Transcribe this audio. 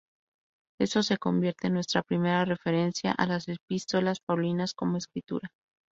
Esto se convierte en nuestra primera referencia a las epístolas paulinas como Escritura.